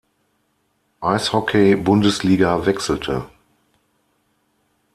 Eishockey-Bundesliga wechselte.